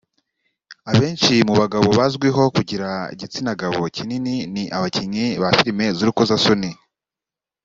Abenshi mu bagabo bazwiho kugira igitsinagabo kinini ni abakinnyi ba filimi z’urukozasoni